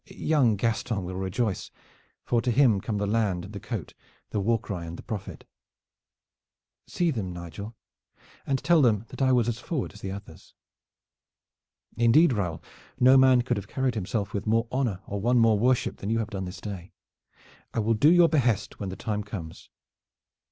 Young Gaston will rejoice, for to him come the land and the coat, the war cry and the profit. See them, Nigel, and tell them that I was as forward as the others." "Indeed Raoul, no man could have carried himself with more honor or won more worship than you have done this day. I will do your behest when the time comes."